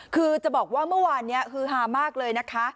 คือจะบอกว่าเมื่อวานนี้ฮือฮามากเลยนะคะ